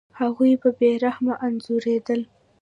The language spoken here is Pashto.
هغوی به بې رحمه انځورېدل.